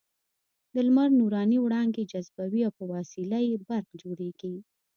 د لمر نوراني وړانګې جذبوي او په وسیله یې برق جوړېږي.